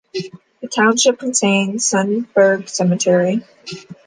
The township contains Sundberg Cemetery.